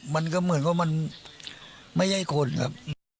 มันก็เหมือนว่ามันไม่ใช่คนครับ